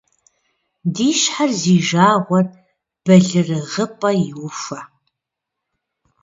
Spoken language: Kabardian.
Ди щхьэр зи жагъуэр бэлырыгъыпӏэ иухуэ.